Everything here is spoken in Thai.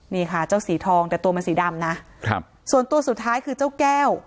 นี่ค่ะเจ้าสีทองแต่ตัวมันสีดำนะครับส่วนตัวสุดท้ายคือเจ้าแก้ว